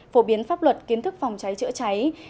phổ biến pháp luật kiến thức phòng cháy chữa cháy